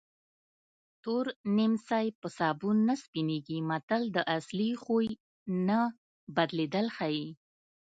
تور نیمڅی په سابون نه سپینېږي متل د اصلي خوی نه بدلېدل ښيي